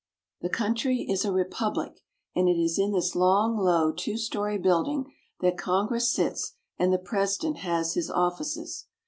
The country is a republic, and it is in this long, low, two story building that Congress sits and the president has his offices.